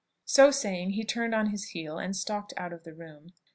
So saying, he turned on his heel and stalked out of the room.